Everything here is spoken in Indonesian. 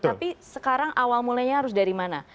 tapi sekarang awal mulanya harus dari mana